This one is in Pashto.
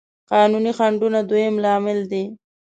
قانوني خنډونه دويم لامل دی.